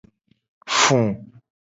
Fu.